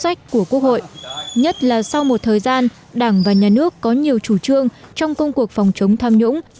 đối với những quyết sách của quốc hội nhất là sau một thời gian đảng và nhà nước có nhiều chủ trương trong công cuộc phòng chống tham nhũng